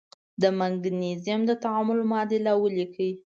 د مګنیزیم د تعامل معادله ولیکئ.